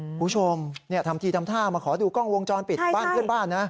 คุณผู้ชมทำทีทำท่ามาขอดูกล้องวงจรปิดบ้านเพื่อนบ้านนะ